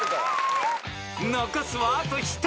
［残すはあと１人。